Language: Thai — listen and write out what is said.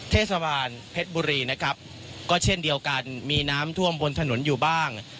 เทศบาลเพชรบุรีนะครับก็เช่นเดียวกันมีน้ำท่วมบนถนนอยู่บ้าง